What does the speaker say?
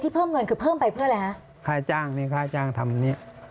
เพิ่มเงินคือเพิ่มไปเพื่ออะไรฮะค่าจ้างนี้ค่าจ้างทำเนี้ย